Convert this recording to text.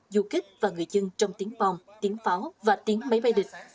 du kích và người dân trong tiếng bom tiếng pháo và tiếng máy bay địch